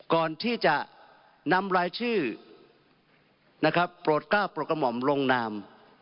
ก่อนที่จะนำรายชื่อนะครับโปรดกล้าโปรดกระหม่อมลงนาม